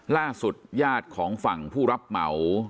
ล่าสุดญาติของฝั่งผู้รับเหมา